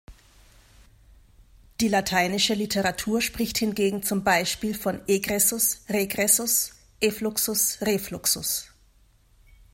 Die lateinische Literatur spricht hingegen zum Beispiel von egressus-regressus, effluxus-refluxus.